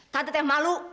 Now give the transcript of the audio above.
tante teh malu